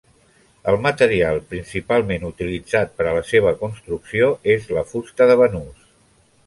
El material principalment utilitzat per a la seva construcció és la fusta de banús.